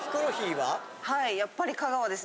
はいやっぱり香川です。